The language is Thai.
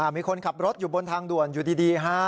มีคนขับรถอยู่บนทางด่วนอยู่ดีฮะ